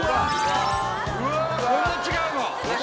うわこんな違うの？